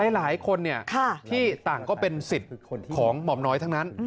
หลายคนที่ต่างก็เป็นสิทธิ์ของหม่อมน้อยทั้งนั้น